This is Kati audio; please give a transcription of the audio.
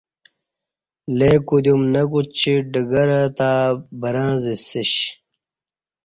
لے کودیوم نہ کوچی ڈگرہ تں برں ازی سیش